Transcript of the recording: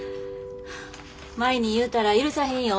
舞に言うたら許さへんよ。